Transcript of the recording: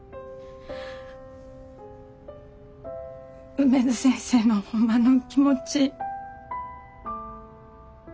梅津先生のホンマの気持ち。